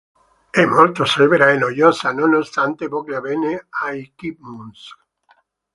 È molto severa e noiosa, nonostante voglia bene ai Chipmunks.